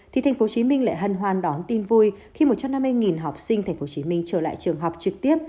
thì tp hcm lại hân hoan đón tin vui khi một trăm năm mươi học sinh tp hcm trở lại trường học trực tiếp